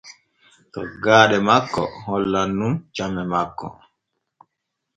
Toggaaɗe makko hollan nun came makko.